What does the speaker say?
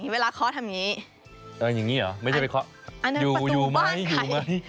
เวลาเคาะทำงี้อย่างงี้หรอตรงที่ประตูบ้านไข่